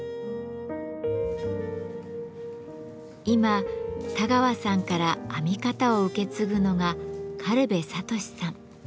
今田川さんから編み方を受け継ぐのが軽部聡さん。